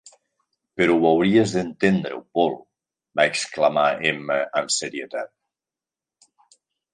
"Però hauries d'entendre-ho, Paul", va exclamar Emma amb serietat.